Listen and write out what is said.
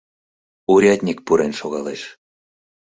Урядник пурен шогалеш.